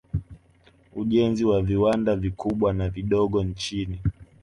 Ujenzi wa viwanda vikubwa na vidogo nchini